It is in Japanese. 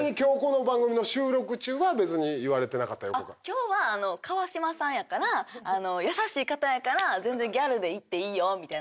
今日は川島さんやから優しい方やから全然ギャルでいっていいよみたいな感じでアドバイスされました。